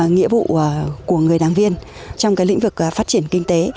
nghĩa vụ của người đảng viên trong lĩnh vực phát triển kinh tế